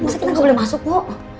masa kita gak boleh masuk bu